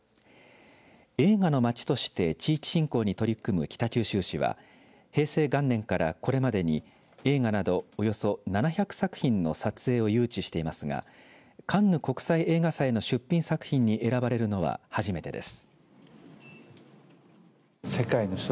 映画の街として地域振興に取り組む北九州市は平成元年からこれまでに映画などおよそ７００作品の撮影を誘致していますがカンヌ国際映画祭の出品作品に選ばれるのは初めてです。